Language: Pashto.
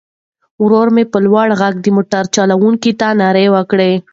ورور مې په لوړ غږ د موټر چلوونکي ته ناره کړه.